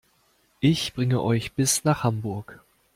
Ich bringe euch bis nach Hamburg